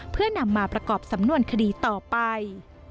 เพื่อนำมาประกอบสำนวนคดีต่อไป